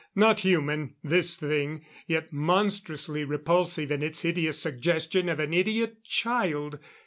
Not human, this thing! Yet monstrously repulsive in its hideous suggestion of an idiot child.